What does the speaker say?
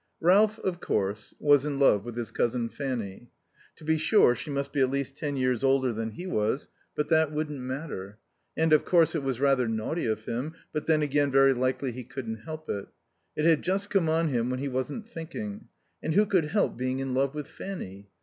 Ralph, of course, was in love with his cousin Fanny. To be sure, she must be at least ten years older than he was, but that wouldn't matter. And, of course, it was rather naughty of him, but then again, very likely he couldn't help it. It had just come on him when he wasn't thinking; and who could help being in love with Fanny?